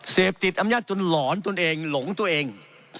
เสพติดอำนาจจนหลอนตนเองหลงตัวเอง